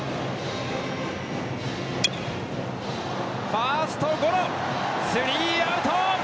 ファーストゴロ、スリーアウト！